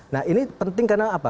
nah ini penting karena apa